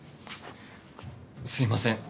すいません。